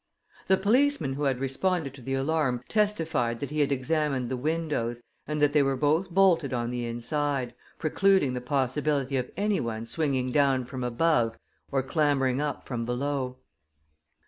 The policeman who had responded to the alarm testified that he had examined the windows, and that they were both bolted on the inside, precluding the possibility of anyone swinging down from above or clambering up from below.